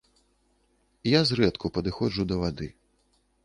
Я зрэдку падыходжу да вады.